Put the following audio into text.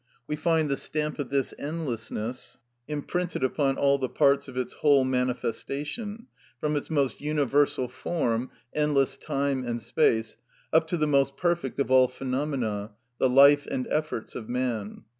We find the stamp of this endlessness imprinted upon all the parts of its whole manifestation, from its most universal form, endless time and space, up to the most perfect of all phenomena, the life and efforts of man.